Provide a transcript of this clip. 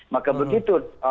maka begitu donald trump